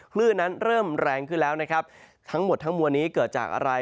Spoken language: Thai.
คลื่นนั้นเริ่มแรงขึ้นแล้วนะครับทั้งหมดทั้งมวลนี้เกิดจากอะไร